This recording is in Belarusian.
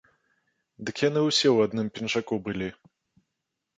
Дык яны ўсе ў адным пінжаку былі!